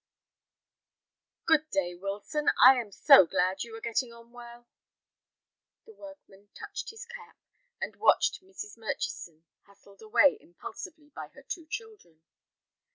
"Good day, Wilson, I am so glad you are getting on well." The workman touched his cap, and watched Mrs. Murchison hustled away impulsively by her two children.